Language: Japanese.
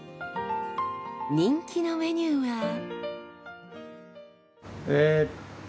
人気のメニューは。